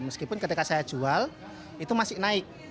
meskipun ketika saya jual itu masih naik